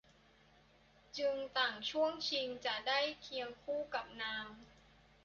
จึงต่างช่วงชิงจะได้เคียงคู่กับนาง